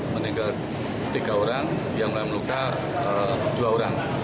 meninggal tiga orang yang mengalami luka dua orang